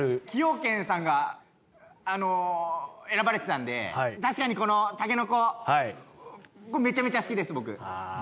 崎陽軒さんが選ばれてたんで確かにこの筍めちゃめちゃ好きです僕。